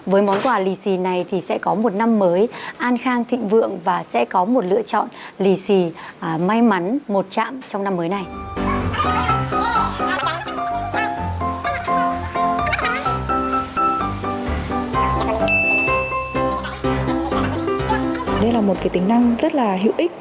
với món quà lì xì này thì sẽ có một năm mới an khang thịnh vượng và sẽ có một lựa chọn lì xì may mắn một chạm trong năm mới này